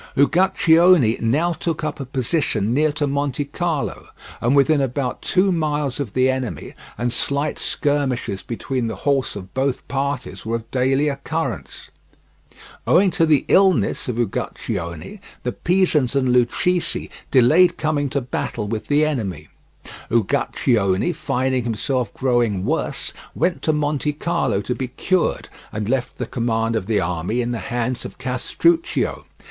Uguccione now took up a position near to Montecarlo, and within about two miles of the enemy, and slight skirmishes between the horse of both parties were of daily occurrence. Owing to the illness of Uguccione, the Pisans and Lucchese delayed coming to battle with the enemy. Uguccione, finding himself growing worse, went to Montecarlo to be cured, and left the command of the army in the hands of Castruccio.